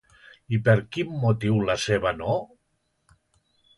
I per quin motiu la seva no?